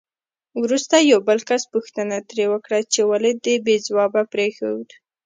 وروسته یو بل کس پوښتنه ترې وکړه چې ولې دې بې ځوابه پرېښود؟